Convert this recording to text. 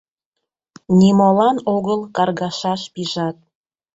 Нимолан огыл каргашаш пижат.